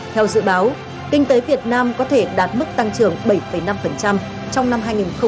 theo dự báo kinh tế việt nam có thể đạt mức tăng trưởng bảy năm trong năm hai nghìn hai mươi